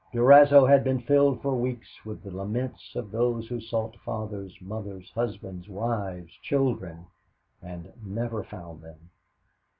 Durazzo had been filled for weeks with the laments of those who sought fathers, mothers, husbands, wives, children and never found them.